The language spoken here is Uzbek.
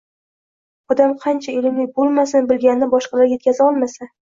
Odam qancha ilmli bo‘lmasin, bilganini boshqalarga yetkaza olmasa